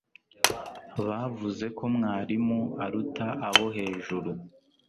bavuze ko mwarimu aruta abo hejuru